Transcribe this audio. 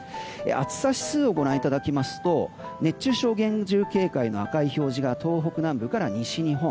暑さ指数をご覧いただきますと熱中症厳重警戒の赤い表示が東北南部から西日本。